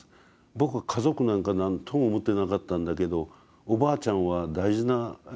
「僕は家族なんか何とも思ってなかったんだけどおばあちゃんは大事な人だったんだ」と。